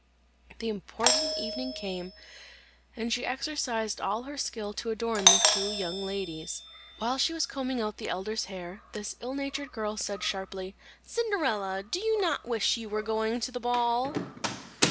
The important evening came, and she exercised all her skill to adorn the two young ladies. While she was combing out the elder's hair, this ill natured girl said sharply, "Cinderella, do you not wish you were going to the ball?"